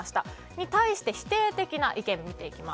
それに対して、否定的な意見。